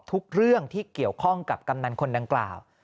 ทุกเรื่องที่เกี่ยวข้องกับกำนันคนดังกล่าว